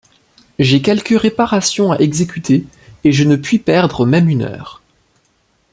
J’ai quelques réparations à exécuter, et je ne puis perdre même une heure.